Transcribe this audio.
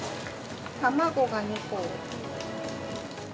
卵が２個。